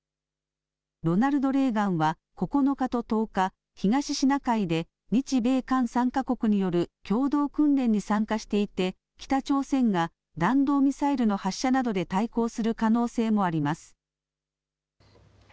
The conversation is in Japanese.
ロナルド・レーガンは９日と１０日、東シナ海で日米韓３か国による共同訓練に参加していて北朝鮮が弾道ミサイルの発射などで対抗する可能性もあります。